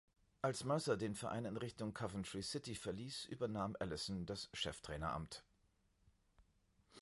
Als Mercer den Verein in Richtung Coventry City verließ, übernahm Allison das Cheftraineramt.